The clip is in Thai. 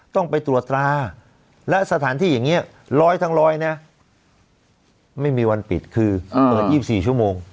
ต้องไปตรวจตราและสถานที่อย่างนี้๑๐๐ทั้งร้อยนะไม่มีวันปิดคือเปิด๒๔ชั่วโมง